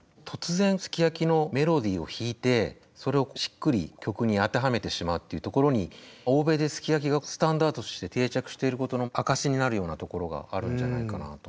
突然「ＳＵＫＩＹＡＫＩ」のメロディーを弾いてそれをしっくり曲に当てはめてしまうっていうところに欧米で「ＳＵＫＩＹＡＫＩ」がスタンダードとして定着してることの証しになるようなところがあるんじゃないかなと思うんですよね。